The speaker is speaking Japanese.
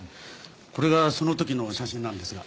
これがその時の写真なんですが。